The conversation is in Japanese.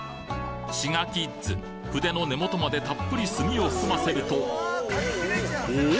滋賀キッズ筆の根元までたっぷり墨を含ませるとお！